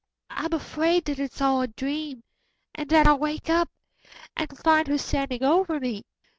I'm afraid that it's all a dream and that I'll wake up and find her standing over me.